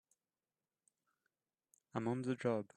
I'm on the job!